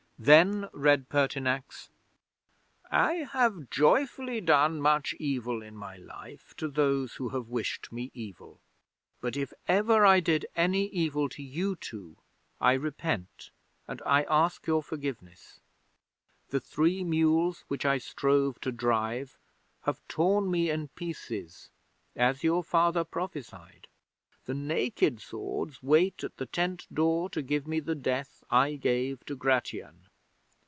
Then read Pertinax: '"_I have joyfully done much evil in my life to those who have wished me evil, but if ever I did any evil to you two I repent, and I ask your forgiveness. The three mules which I strove to drive have torn me in pieces as your Father prophesied. The naked swords wait at the tent door to give me the death I gave to Gratian.